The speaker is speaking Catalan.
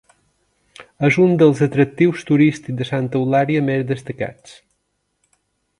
És un dels atractius turístics de Santa Eulària més destacats.